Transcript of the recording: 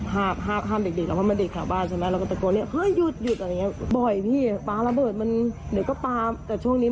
โหนี่